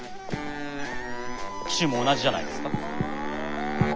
騎手も同じじゃないですか？